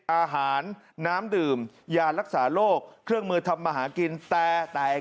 อาหารน้ำดื่มยารักษาโรคเครื่องมือทำมาหากินแต่แต่